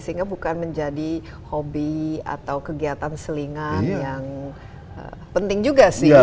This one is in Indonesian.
sehingga bukan menjadi hobi atau kegiatan selingan yang penting juga sih